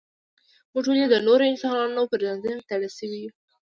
موږ ولې د نورو انسانانو پر زنځیر تړل شوي یو.